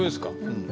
うん。